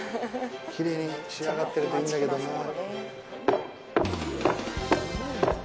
きれいに仕上がってるといいんだけどなぁ。